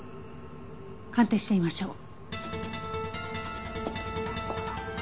鑑定してみましょう。